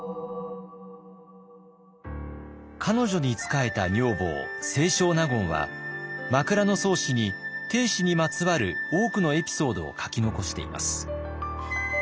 彼女に仕えた女房清少納言は「枕草子」に定子にまつわる多くのエピソードを書き残しています。